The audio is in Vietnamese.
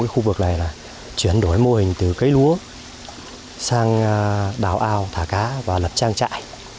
khu vực này chuyển đổi mô hình từ cấy lúa sang đào ao thả cá và lập trang trại